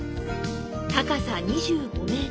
高さ２５ｍ。